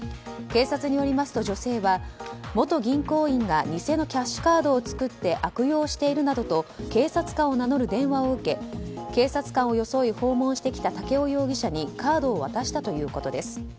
警察によりますと女性は元銀行員が偽のキャッシュカードを作って悪用しているなどと警察官を名乗る電話を受け警察官を装い訪問してきた竹尾容疑者にカードを渡したということです。